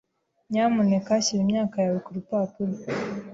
Nyamuneka shyira imyaka yawe kurupapuro.